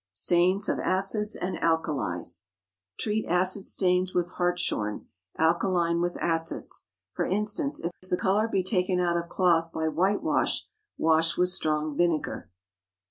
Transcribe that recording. STAINS OF ACIDS AND ALKALIES. Treat acid stains with hartshorn; alkaline with acids. For instance, if the color be taken out of cloth by whitewash, wash with strong vinegar.